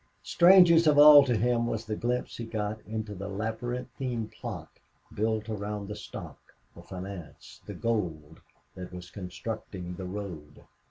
Strangest of all to him was the glimpse he got into the labyrinthine plot built around the stock, the finance, the gold that was constructing the road.